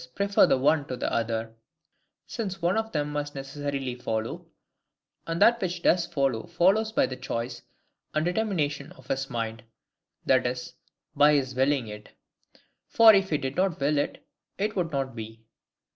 prefer the one to the other: since one of them must necessarily follow; and that which does follow follows by the choice and determination of his mind; that is, by his willing it: for if he did not will it, it would not be.